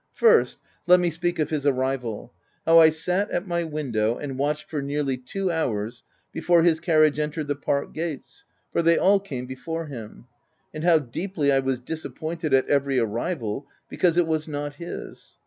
First, let me speak of his arrival — how Isat at my window and watched for nearly two hours, before his carriage entered the park gates — for they all came before him, — and how deeply I was disappointed at every arrival, be cause it was not his.